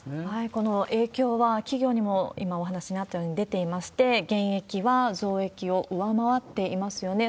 この影響は企業にも、今お話にあったように出ていまして、減益は増益を上回っていますよね。